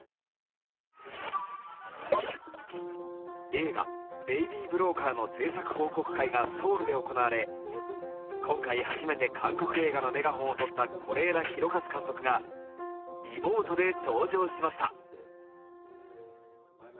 映画「ベイビー・ブローカー」の制作報告会がソウルで行われ今回初めて韓国映画のメガホンをとった是枝裕和監督がリモートで登場しました。